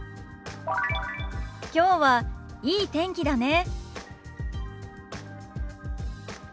きょうはいい天気だね。